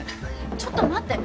ちょっと待って！